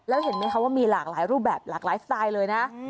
แล้วเห็นไหมคะว่ามีหลากหลายรูปแบบหลากหลายสไตล์เลยนะ